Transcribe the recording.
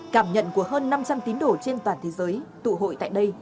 cảm nhận của hơn năm trăm linh tín đồ trên toàn thế giới tụ hội tại đây